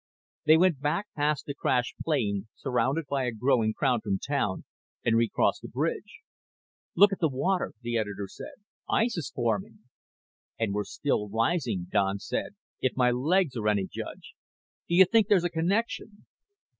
They went back past the crashed plane, surrounded by a growing crowd from town, and recrossed the bridge. "Look at the water," the editor said. "Ice is forming." "And we're still rising," Don said, "if my legs are any judge. Do you think there's a connection?"